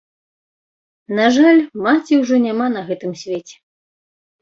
На жаль, маці ўжо няма на гэтым свеце.